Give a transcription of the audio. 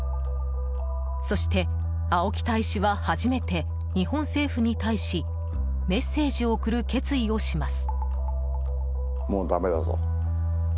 そして、青木大使は初めて日本政府に対しメッセージを送る決意をします。